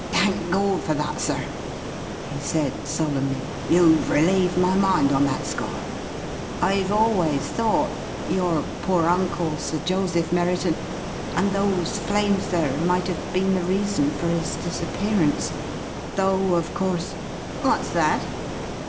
"Thank Gawd for that, sir!" he said, solemnly. "You've relieved my mind on that score. I've always thought your poor uncle, Sir Joseph Merriton and those flames there might 'ave been the reason for his disappearance, though of course " "What's that?"